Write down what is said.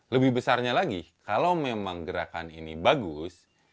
lebih besarnya lagi kalau memang gerakan ini bagus